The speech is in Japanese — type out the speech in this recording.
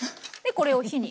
これを火に。